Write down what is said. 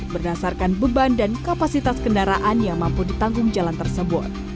berdasarkan beban dan kapasitas kendaraan yang mampu ditanggung jalan tersebut